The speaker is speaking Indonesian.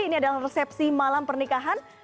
ini adalah resepsi malam pernikahan